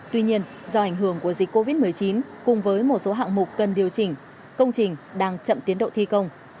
tuy nhiên do ảnh hưởng của dịch covid một mươi chín cùng với một số hạng mục cần điều chỉnh công trình đang chậm tiến độ thi công